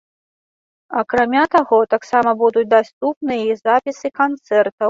Акрамя таго, таксама будуць даступныя і запісы канцэртаў.